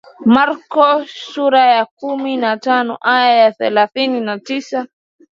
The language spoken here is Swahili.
Marko sura ya kumi na tano aya ya thelathini na tisa